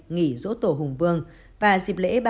nghỉ rỗ tổ hùng vương và dịp lễ